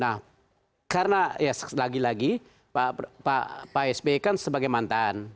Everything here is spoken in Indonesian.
nah karena ya lagi lagi pak sby kan sebagai mantan